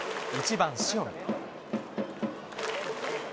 １番塩見。